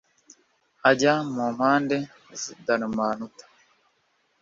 ajya mu mpande z i Dalumanuta